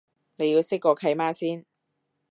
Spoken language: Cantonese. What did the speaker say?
你要識個契媽先